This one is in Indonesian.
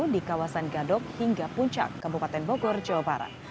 di kawasan gadok hingga puncak kabupaten bogor jawa barat